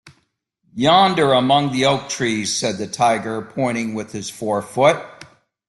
"Yonder, among the oak trees," said the tiger, pointing with his fore-foot.